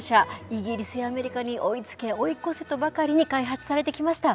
イギリスやアメリカに追いつけ追い越せとばかりに開発されてきました。